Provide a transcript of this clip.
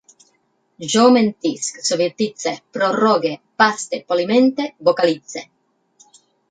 Jo mentisc, sovietitze, prorrogue, paste, polimente, vocalitze